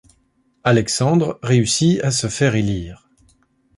Alexandre réussit à se faire élire.